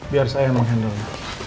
biar saya yang mengendalinya